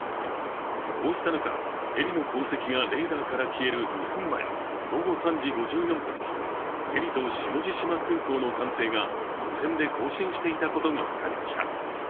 こうした中、ヘリの航跡がレーダーから消える２分前の午後３時５４分にヘリと下地島空港の管制が無線で交信していたことが分かりました。